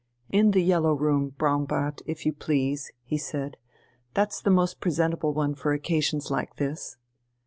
"In the yellow room, Braunbart if you please," he said, "that's the most presentable one for occasions like this."